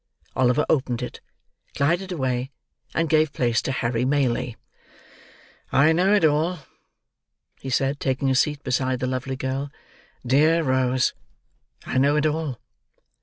Oliver opened it, glided away, and gave place to Harry Maylie. "I know it all," he said, taking a seat beside the lovely girl. "Dear Rose, I know it all."